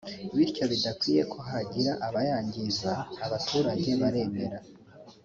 bityo bidakwiye ko hagira abayangiza abaturage baremera